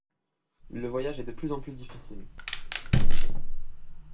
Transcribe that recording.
Le voyage est de plus en plus difficile.